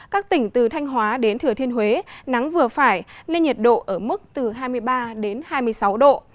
các tỉnh từ thanh hóa đến thừa thiên huế nắng vừa phải nên nhiệt độ ở mức từ hai mươi ba đến hai mươi sáu độ